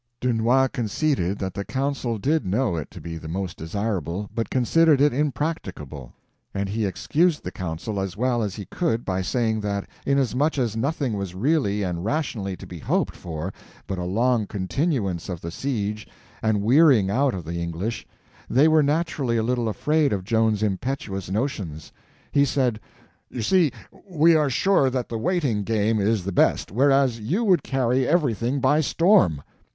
Dunois conceded that the council did know it to be the most desirable, but considered it impracticable; and he excused the council as well as he could by saying that inasmuch as nothing was really and rationally to be hoped for but a long continuance of the siege and wearying out of the English, they were naturally a little afraid of Joan's impetuous notions. He said: "You see, we are sure that the waiting game is the best, whereas you would carry everything by storm."